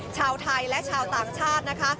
เช้าไทยแล้วเชาต่างชาตินะคะ